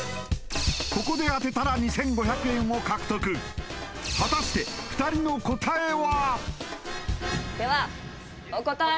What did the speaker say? ここで当てたら２５００円を獲得果たして２人の答えは？